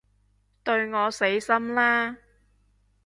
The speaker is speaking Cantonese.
對我死心啦